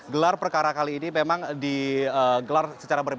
gelar perkara kali ini memang digelar secara berbeda